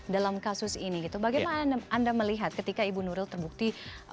dalam kasus ini bagaimana anda melihat ketika ibu nuril terbukti